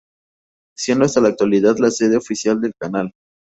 Siendo hasta la actualidad la sede oficial del canal.